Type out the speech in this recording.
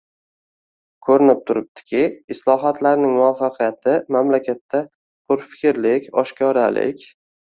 Ko‘rinib turibdiki, islohotlarning muvaffaqiyati mamlakatda hurfikrlik, oshkoralik